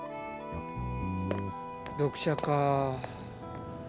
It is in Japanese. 読者か。